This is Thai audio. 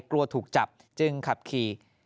กลัวถูกจับจึงขับขี่